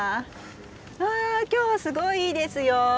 わあ今日はすごいいいですよ。